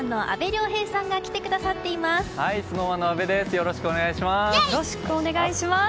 よろしくお願いします。